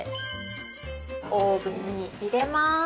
オーブンに入れます。